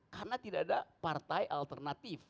karena tidak ada partai alternatif